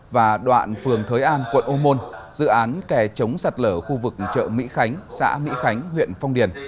và đoạn phường thới an quận ô môn dự án kè chống sạt lở khu vực chợ mỹ khánh xã mỹ khánh huyện phong điền